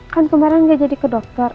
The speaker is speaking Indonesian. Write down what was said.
kan kemarin dia jadi ke dokter